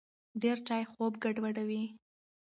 ډېر چای خوب ګډوډوي.